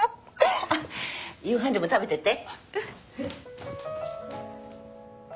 あっ夕飯でも食べてって。